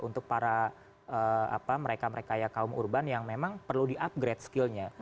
untuk para mereka mereka ya kaum urban yang memang perlu di upgrade skillnya